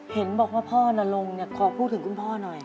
เห็นบอกว่าพ่อนรงค์ขอพูดถึงคุณพ่อหน่อย